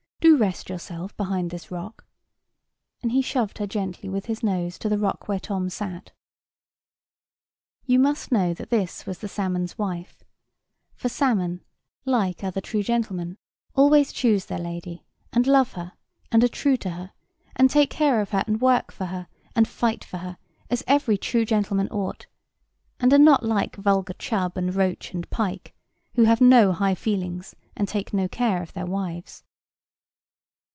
Do rest yourself behind this rock;" and he shoved her gently with his nose, to the rock where Tom sat. You must know that this was the salmon's wife. For salmon, like other true gentlemen, always choose their lady, and love her, and are true to her, and take care of her and work for her, and fight for her, as every true gentleman ought; and are not like vulgar chub and roach and pike, who have no high feelings, and take no care of their wives.